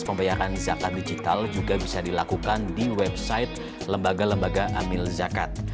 pembayaran zakat digital juga bisa dilakukan di website lembaga lembaga amil zakat